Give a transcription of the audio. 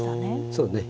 そうね。